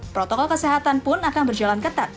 protokol kesehatan pun akan berjalan ketat